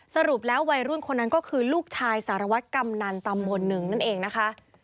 สรุปแล้ววัยรุ่นคนนั้นก็คือลูกชายสารวัตรกำนันตำบลหนึ่งนั่นเองนะคะ